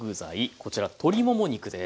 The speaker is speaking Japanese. こちら鶏もも肉です。